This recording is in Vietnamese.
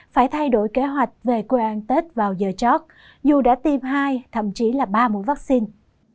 phải thay đổi kế hoạch về quê ăn tết vào giờ chót dù đã tiêm hai thậm chí là ba mũi vaccine